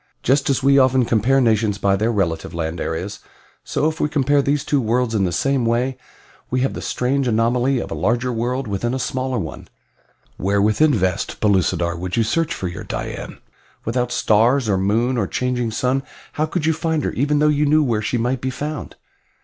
Just as we often compare nations by their relative land areas, so if we compare these two worlds in the same way we have the strange anomaly of a larger world within a smaller one! "Where within vast Pellucidar would you search for your Dian? Without stars, or moon, or changing sun how could you find her even though you knew where she might be found?"